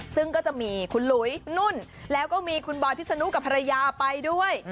ซึ่งก็จะมีคุณหลุยนุ่นแล้วก็มีคุณบอยพิษนุกับภรรยาไปด้วย